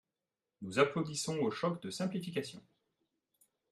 Nous applaudissons au choc de simplification